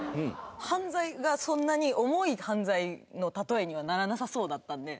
犯罪がそんなに重い犯罪のたとえにはならなさそうだったんで。